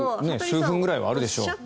数分くらいはあるでしょう。